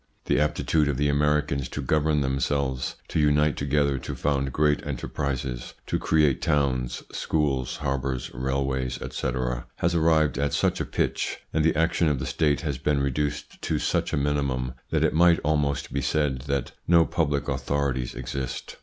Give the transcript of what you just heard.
The aptitude of the Americans to govern themselves, to unite together to found great enter prises, to create towns, schools, harbours, railways, etc., has arrived at such a pitch, and the action of the State has been reduced to such a minimum, that it might almost be said that no public authorities exist.